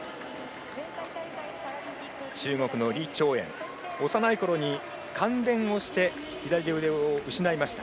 中国の李朝燕幼いころに感電をして左腕を失いました。